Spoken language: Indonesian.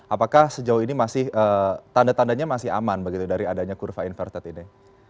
apakah sejauh ini masih tanda tandanya masih aman begitu dari adanya kurva inverted ini